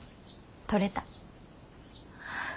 取れた。